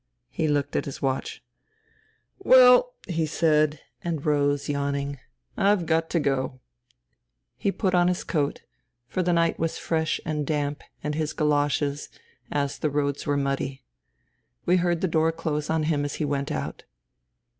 ..." He looked at his watch. " Well !" he said, and rose, yawning. " I've got to go." He put on his coat, for the night was fresh and damp, and his goloshes, as the roads were muddy. We heard the door close on him as he went out.